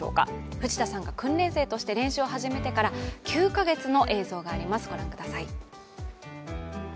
藤田さんが訓練生として練習を始めてから９か月の映像があります